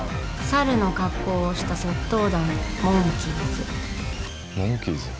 猿の格好をした窃盗団モンキーズモンキーズ？